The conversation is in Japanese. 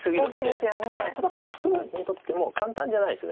ただこれ黒にとっても簡単じゃないです。